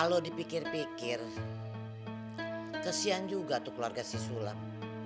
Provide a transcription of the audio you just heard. kalau dipikir pikir kesian juga tuh keluarga si sulam